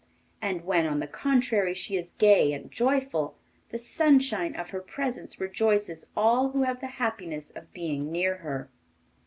And when, on the contrary, she is gay and joyful, the sunshine of her presence rejoices all who have the happiness of being near her.